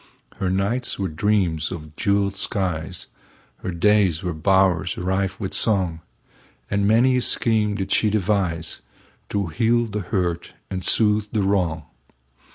Her nights were dreams of jeweled skies, Her days were bowers rife with song, And many a scheme did she deviseTo heal the hurt and soothe the wrong.